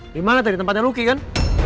dimana tadi tempatnya luki kan